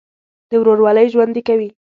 د ورورولۍ ژوند دې کوي.